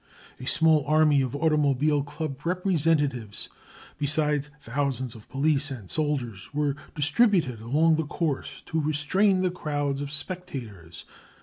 A small army of automobile club representatives, besides thousands of police and soldiers, were distributed along the course to restrain the crowds of spectators.